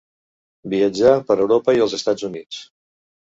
Viatjà per Europa i els Estats Units.